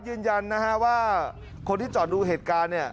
ยืนยันนะฮะว่าคนที่จอดดูเหตุการณ์เนี่ย